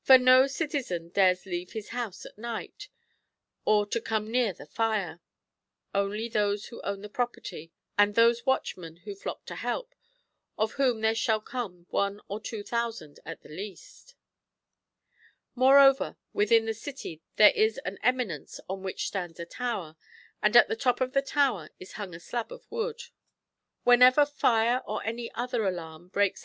For no citizen dares leave his house at night, or to come near the fire ; only those who own the property, and those watchmen who ilock to help, of wiiom there shall come one or two thousand at the least.] Moreover, within the city there is an eminence on which stands a Tower, and at the top of the tower is hung a slab of w<M)d. WJKiKNcr fire or any other alarm breaks Chap. LXXVI. THE GREAT CITY OF KINSAY.